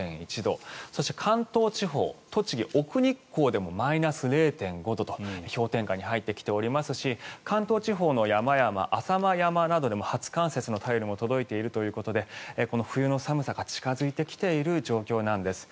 そして、関東地方栃木・奥日光でもマイナス０．５度と氷点下に入ってきていますし関東地方の山々浅間山などでも初冠雪の便りも届いているということで冬の寒さが近付いてきている状況なんです。